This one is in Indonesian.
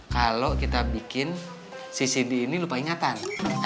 kalau kita bikin ccd ini lupa ingatan